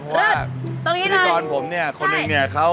เพราะว่าพิธีกรผมเนี่ยคนหนึ่งเนี่ย